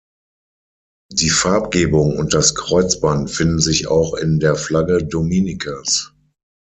Die Farbgebung und das Kreuzband finden sich auch in der Flagge Dominicas.